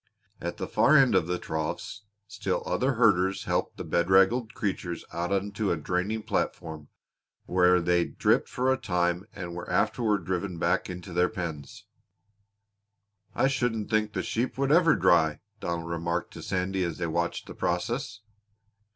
At the far end of the troughs still other herders helped the bedraggled creatures out onto a draining platform where they dripped for a time and were afterward driven back into their pens. "I shouldn't think the sheep would ever dry!" Donald remarked to Sandy as they watched the process.